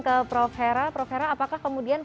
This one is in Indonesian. ke prof hera prof hera apakah kemudian